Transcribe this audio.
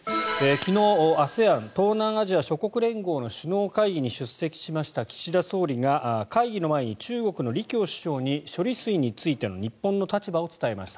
昨日、ＡＳＥＡＮ・東南アジア諸国連合の首脳会議に出席しました岸田総理が会議の前に中国の李強首相に処理水についての日本の立場を伝えました。